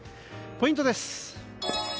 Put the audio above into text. ポイントです。